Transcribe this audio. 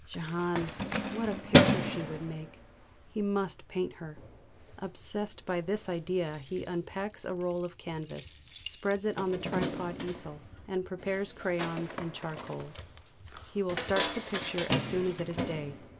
Jehane! what a picture she would make! He must paint her! Obsessed by this idea, he unpacks a roll of canvas, spreads it on the tripod easel, and prepares crayons and charcoal; he will start the picture as soon as it is day.